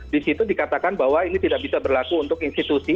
di situ dikatakan bahwa ini tidak bisa berlaku untuk institusi